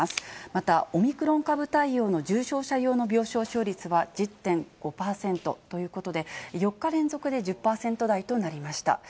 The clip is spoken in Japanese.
またオミクロン株対応の重症者用の病床使用率は１０．５％ということで、４日連続で１０％台となりました。